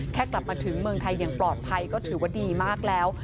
กลับมาถึงเมืองไทยอย่างปลอดภัยก็ถือว่าดีมากแล้ว